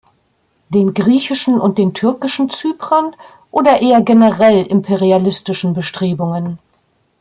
Den griechischen und den türkischen Zyprern oder eher generell imperialistischen Bestrebungen?